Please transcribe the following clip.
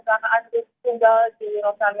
dan ada tujuh orang tinggal di jalan ini